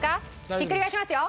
ひっくり返しますよ。